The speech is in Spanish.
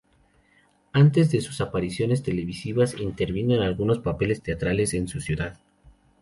Antes de sus apariciones televisivas, intervino en algunos papeles teatrales en su ciudad.